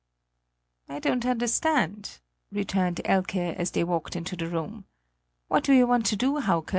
"I don't understand," returned Elke, as they walked into the room; "what do you want to do, Hauke?"